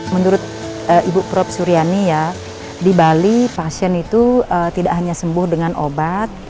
menurut ibu prof suryani ya di bali pasien itu tidak hanya sembuh dengan obat